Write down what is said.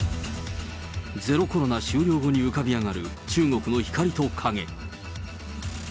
ゼロコロナ終了後に浮かび上がる、中国の光と影。